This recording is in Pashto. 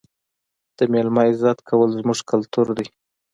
د مېلمه عزت کول زموږ کلتور دی.